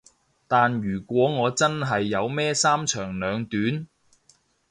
但如果我真係有咩三長兩短